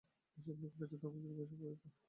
এইসব লোকের কাছে ধর্ম যেন ব্যবসায়ে পরিণত।